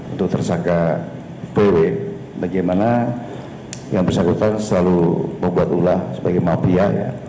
untuk tersangka pw bagaimana yang bersangkutan selalu membuat ulah sebagai mafia